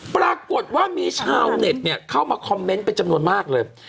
ปรากฏว่ามีชาวเน็ตเข้ามาคอมเมนต์เป็นจำนวนมากเลย